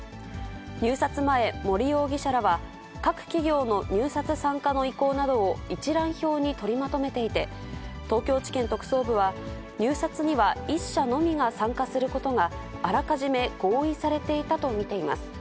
入札前、森容疑者らは、各企業の入札参加の意向などを一覧表に取りまとめていて、東京地検特捜部は、入札には１社のみが参加することがあらかじめ合意されていたと見ています。